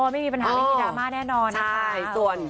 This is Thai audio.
ไม่มีปัญหาครับไม่มีดราม่าแน่นอน